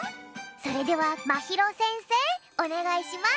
それではまひろせんせいおねがいします！